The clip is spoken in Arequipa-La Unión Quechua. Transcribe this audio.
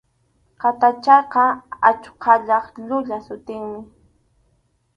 Qataychaqa achuqallap llulla sutinmi.